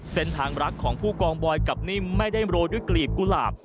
เส้นทางรักของผู้กองบอยกับนิ่มไม่ได้โรยด้วยกลีบกุหลาบ